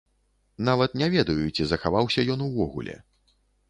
Нават не ведаю, ці захаваўся ён увогуле.